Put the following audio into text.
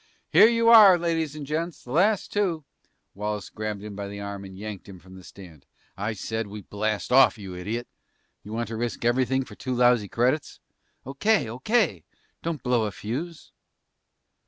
"Here you are, ladies and gents, the last two " Wallace grabbed him by the arm and yanked him from the stand. "I said we blast off, you idiot! You want to risk everything for two lousy credits?" "O.K., O.K. Don't blow a fuse!"